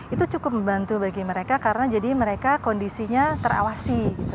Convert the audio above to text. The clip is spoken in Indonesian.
itu cukup membantu bagi mereka karena jadi mereka kondisinya terawasi